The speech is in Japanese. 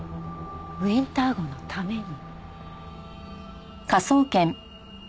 ウィンター号のために。